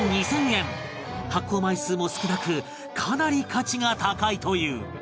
発行枚数も少なくかなり価値が高いという